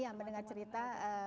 iya mendengar cerita